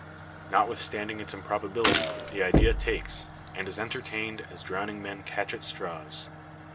Notwithstanding its improbability, the idea takes, and is entertained, as drowning men catch at straws.